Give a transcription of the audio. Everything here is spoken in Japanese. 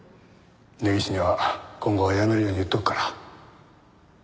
根岸には今後はやめるように言っておくから。